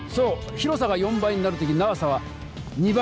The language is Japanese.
広さが４倍になる時長さは２倍になる。